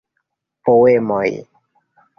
Poemoj.